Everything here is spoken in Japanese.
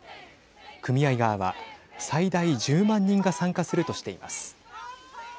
組合側は最大１０万人が参加するとしています。